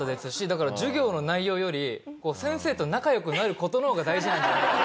だから授業の内容より先生と仲良くなる事の方が大事なんじゃないかとか。